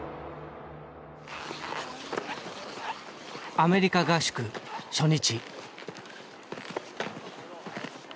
アメリカ合宿初日。